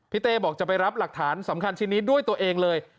เต้บอกจะไปรับหลักฐานสำคัญชิ้นนี้ด้วยตัวเองเลย